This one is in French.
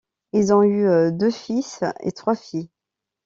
Ils ont eu deux fils et trois filles.